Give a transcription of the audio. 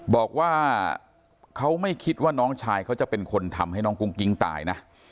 บอกว่าเขาไม่คิดว่าน้องชายเขาจะเป็นคนทำให้น้องกุ้งกิ๊งตายนะ